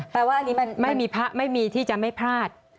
แปลว่าอันนี้มันแปลว่าไม่มีที่จะไม่พลาด